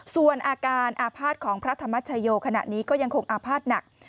ส่วนอาการอาภาษณ์ของพระธรรมชโยขณะนี้ก็ยังคงอาภาษณ์หนัก